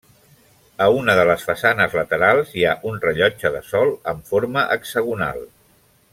A una de les façanes laterals hi ha un rellotge de sol amb forma hexagonal.